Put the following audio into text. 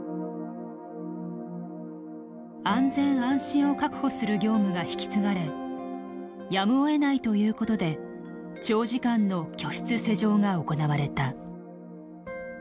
「安全・安心を確保する業務が引き継がれやむをえないということで長時間の居室施錠が行われた」。